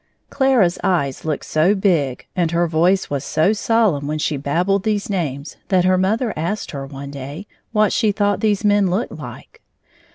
Clara's eyes looked so big, and her voice was so solemn when she babbled these names that her mother asked her one day what she thought these men looked like.